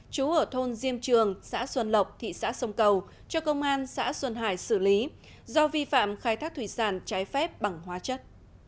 chú ở thôn diêm trường xã xuân lộc thị xã sông cầu cho công an xã xuân hải xử lý do vi phạm khai thác thủy sản trái phép bằng hóa chất